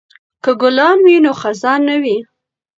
که ګلان وي نو خزان نه وي.